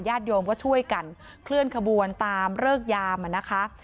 โยมก็ช่วยกันเคลื่อนขบวนตามเลิกยามอ่ะนะคะ